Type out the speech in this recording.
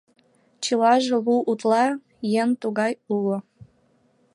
Чылаже лу утла еҥ тугай уло.